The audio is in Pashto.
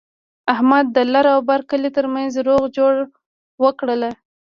احمد د لر او بر کلي ترمنځ روغه جوړه وکړله.